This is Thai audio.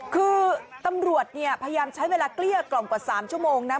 คือตำรวจเนี่ยพยายามใช้เวลาเกลี้ยกล่อมกว่า๓ชั่วโมงนะ